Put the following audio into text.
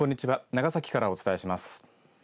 長崎からお伝えします。